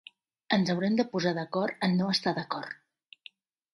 Ens haurem de posar d'acord en no estar d'acord